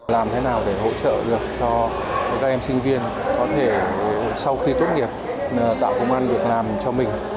làm thế nào để hỗ trợ được cho các em sinh viên có thể sau khi tốt nghiệp tạo công an việc làm cho mình